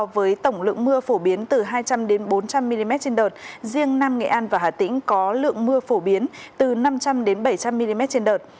với tổng lượng mưa phổ biến từ hai trăm linh bốn trăm linh mm trên đợt riêng nam nghệ an và hà tĩnh có lượng mưa phổ biến từ năm trăm linh bảy trăm linh mm trên đợt